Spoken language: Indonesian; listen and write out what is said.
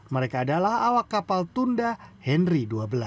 mereka adalah awak kapal tunda henry dua belas